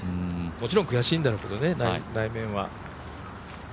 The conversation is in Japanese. もちろん悔しいんだろうけどね内面は。